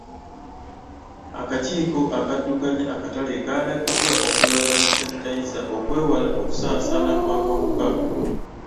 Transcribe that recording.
Akakiiko akaddukanya akatale kaalagiddwa okulaga zi sanitayiza okwewala okusaasaana kw'akawuka.